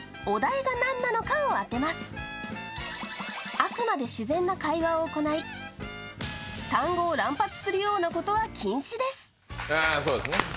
あくまで自然な会話を行い、単語を乱発するようなことは禁止です。